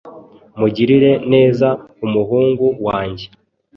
Mugirire neza umuhungu wanjye